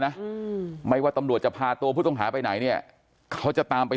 อืมไม่ว่าตำรวจจะพาตัวผู้ต้องหาไปไหนเนี่ยเขาจะตามไป